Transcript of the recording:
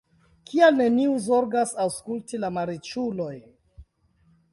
Kial neniu zorgas aŭskulti la malriĉulojn?